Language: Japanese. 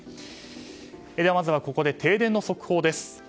まずはここで停電の速報です。